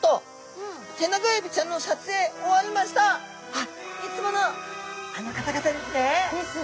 あっいつものあの方々ですね！ですね！